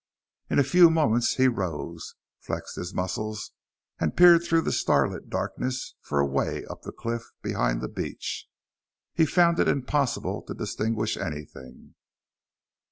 In a few moments he rose, flexed his muscles and peered through the starlit darkness for a way up the cliff behind the beach. He found it impossible to distinguish anything.